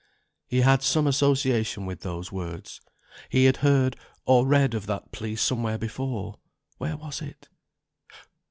He had some association with those words; he had heard, or read of that plea somewhere before. Where was it?